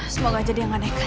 semoga aja dia gak naikkan